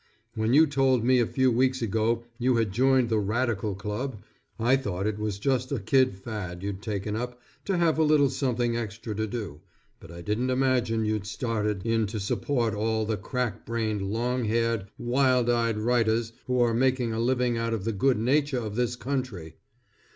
When you told me a few weeks ago you had joined the Radical Club, I thought it was just a kid fad you'd taken up to have a little something extra to do, but I didn't imagine you'd started in to support all the crack brained, long haired, wild eyed writers who are making a living out of the good nature of this country.